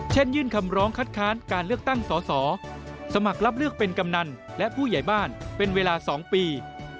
ยื่นคำร้องคัดค้านการเลือกตั้งสอสอสมัครรับเลือกเป็นกำนันและผู้ใหญ่บ้านเป็นเวลา๒ปี